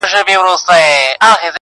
او پای يې خلاص پاتې کيږي تل,